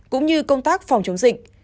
cũng như công tác phòng chống dịch